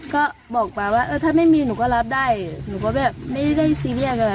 ก็บอกป๊าว่าเออถ้าไม่มีหนูก็รับได้หนูก็แบบไม่ได้ซีเรียสอะไร